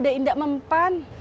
udah indah mempan